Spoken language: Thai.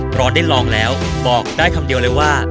เพราะได้ลองแล้วบอกได้คำเดียวเลยว่า